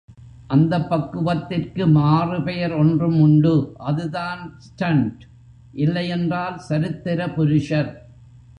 அந்தப் பக்குவத்திற்கு மாறு பெயர் ஒன்றும் உண்டு அதுதான் ஸ்டண்ட்! இல்லையென்றால், சரித்திர புருஷர்.